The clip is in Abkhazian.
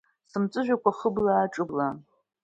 Сымҵәыжәҩақәа хыблаа-ҿыблаан…